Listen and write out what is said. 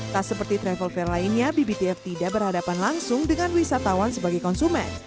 tak seperti travel fair lainnya bbtf tidak berhadapan langsung dengan wisatawan sebagai konsumen